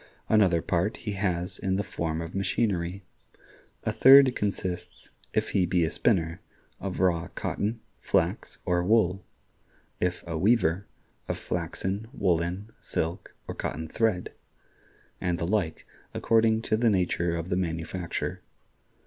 Another part he has in the form of machinery. A third consists, if he be a spinner, of raw cotton, flax, or wool; if a weaver, of flaxen, woolen, silk, or cotton thread; and the like, according to the nature of the manufacture.